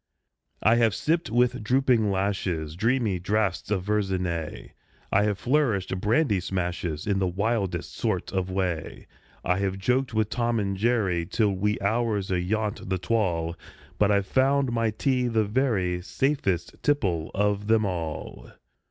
I have sipped, with drooping lashes, Dreamy draughts of Verzenay; I have flourished brandy smashes In the wildest sort of way; I have joked with "Tom and Jerry" Till wee hours ayont the twal' But I've found my tea the very Safest tipple of them all!